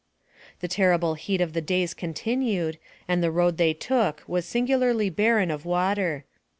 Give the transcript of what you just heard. The terrible heat of the days continued, and the road they took was singularly barren of water.